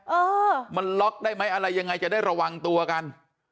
เออมันล็อกได้ไหมอะไรยังไงจะได้ระวังตัวกัน